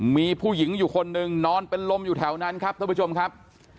มีผู้หญิงอยู่คนหนึ่งนอนเป็นลมอยู่แถวนั้นครับท่านผู้ชมครับ